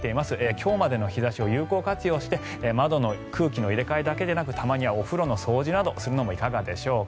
今日までの日差しを有効活用して窓の空気の入れ替えだけでなくたまにはお風呂の掃除などもするのはいかがでしょうか。